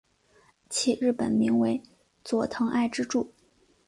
其日本名为佐藤爱之助。